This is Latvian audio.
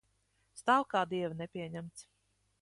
Stāv kā dieva nepieņemts.